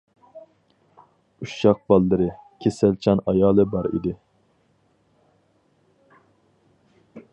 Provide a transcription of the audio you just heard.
ئۇششاق باللىرى، كېسەلچان ئايالى بار ئىدى.